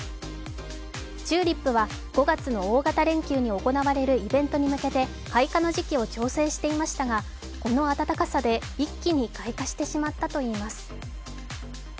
チューリップは５月の大型連休に行われるイベントに向けて開花の時期を調整していましたがこの暖かさで一気に開花してしまったといいます。